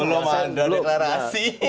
belum ada deklarasi